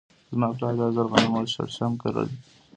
زما پلار دا ځل غنم او شړشم کري.